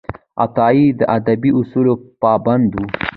عطايي د ادبي اصولو پابند و.